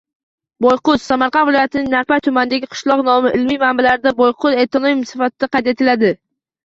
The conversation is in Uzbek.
Boyqut – Samarqand viloyatining Narpay tumanidagi qishloq nomi. Ilmiy manbalarda Boyqut etnonim sifatida qayd etiladi.